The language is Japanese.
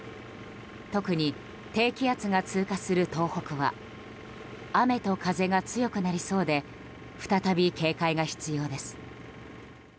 特に低気圧が通過する東北は雨と風が強くなりそうで再び警戒が必要です。